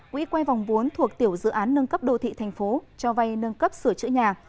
quỹ quay vòng vốn thuộc tiểu dự án nâng cấp đô thị thành phố cho vay nâng cấp sửa chữa nhà